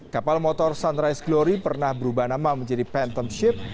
kapal motor sunrise glory pernah berubah nama menjadi pentomship